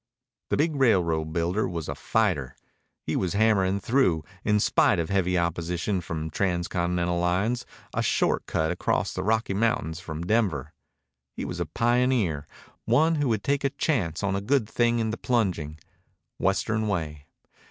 The big railroad builder was a fighter. He was hammering through, in spite of heavy opposition from trans continental lines, a short cut across the Rocky Mountains from Denver. He was a pioneer, one who would take a chance on a good thing in the plunging, Western way.